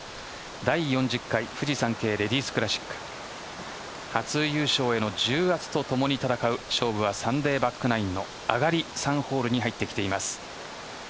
第４０回フジサンケイレディスクラシック初優勝への重圧とともに戦う勝負はサンデーバックナインの上がり３ホールに入ってきています。